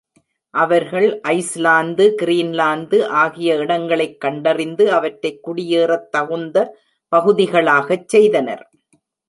அவர்கள் Iceland, Greenland ஆகிய இடங்களைக் கண்டறிந்து, அவற்றைக் குடியேறத் தகுந்த பகுதிகளாகச் செய்தனர்.